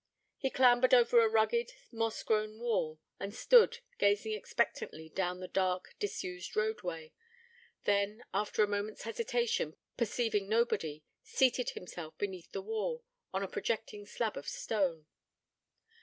He clambered over a rugged, moss grown wall, and stood, gazing expectantly down the dark, disused roadway; then, after a moment's hesitation, perceiving nobody, seated himself beneath the wall, on a projecting slab of stone.